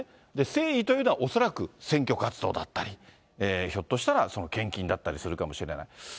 誠意というのは恐らく選挙活動だったり、ひょっとしたら献金だったりするかもしれない。